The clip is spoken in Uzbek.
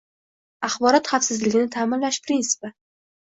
Axborot xavfsizligini ta’minlash prinsipi